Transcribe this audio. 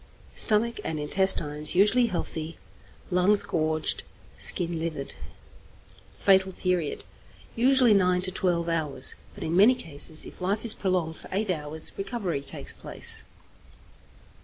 Stomach and intestines usually healthy. Lungs gorged, skin livid. Fatal Period. Usually nine to twelve hours; but in many cases, if life is prolonged for eight hours, recovery takes place.